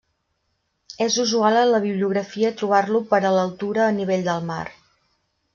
És usual en la bibliografia trobar-lo per a l'altura a nivell del mar.